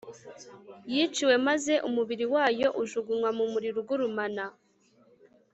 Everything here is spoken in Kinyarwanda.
yiciwe maze umubiri wayo ujugunywa mu muriro ugurumana